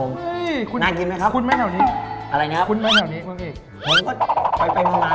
น่ากินไหมครับคุ้นไหมแถวนี้คุ้นไหมแถวนี้มึงอีก